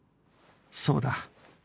そうだ